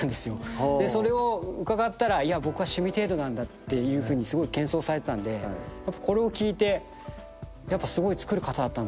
それを伺ったら僕は趣味程度なんだっていうふうにすごい謙遜されてたんでこれを聴いてやっぱすごい作る方だったんだなっていうのは。